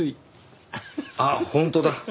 あっ本当だ。